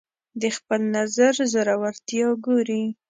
د خپل نظر زورورتیا ګوري